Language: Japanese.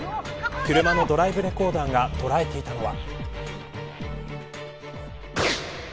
車のドライブレコーダーが捉えていたのは。